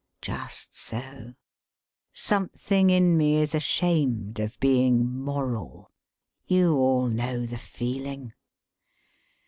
Just so! Something in me is ashamed of being 'moral.' (You all know the feeling!)